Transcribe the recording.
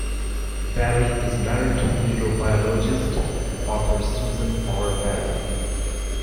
Barry is married to neurobiologist and author Susan R. Barry.